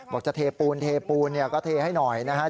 บอกจะเทปูนเทปูนก็เทให้หน่อยนะครับ